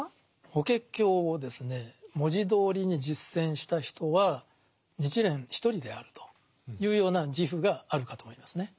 「法華経」をですね文字どおりに実践した人は日蓮一人であるというような自負があるかと思いますね。